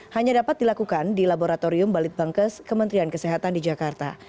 hanya dapat dilakukan di laboratorium balitbangkes kementerian kesehatan di jakarta